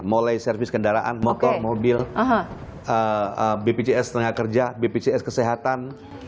mulai servis kendaraan motor mobil bpjs tenaga kerja bpjs kesehatan